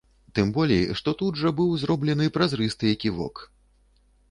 Тым болей што тут жа быў зроблены празрысты эківок.